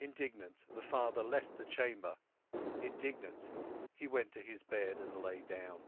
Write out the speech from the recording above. Indignant, the father left the chamber; indignant, he went to his bed and lay down.